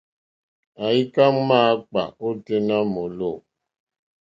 Àyíkâ máǎkpà ôténá mɔ̌lɔ̀.